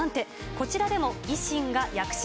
こちらでも維新が躍進。